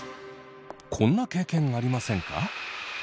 こんな経験ありませんか？